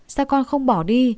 sao con không bỏ đi